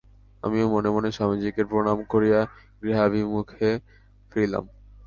আমিও মনে মনে স্বামীজীকে প্রণাম করিয়া গৃহাভিমুখে ফিরিলাম।